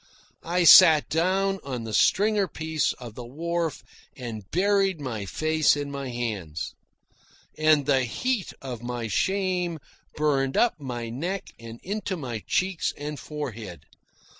I sat down on the stringer piece of the wharf and buried my face in my hands. And the heat of my shame burned up my neck and into my cheeks and forehead.